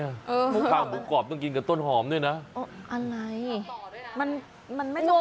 หมูกราบหมูกรอบต้องกินกับต้นหอมด้วยนะอ๋ออะไรมันมันไม่ใช่